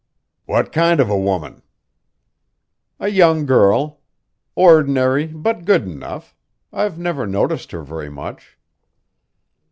"What kind of a woman?" "A young girl. Ordinary, but good enough. I've never noticed her very much."